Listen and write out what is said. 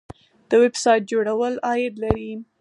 د ویب سایټ جوړول عاید لري